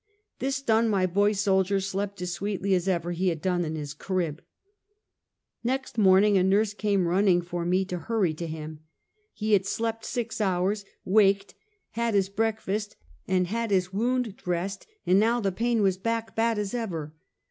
This done, my boy soldier slept as sweetly as ever he had done in his crib. Kext morning a nurse came running for me to hurry to him. lie had slept six hours, waked, had his breakfast, and had his wound dressed, and now the pain was back bad as ever.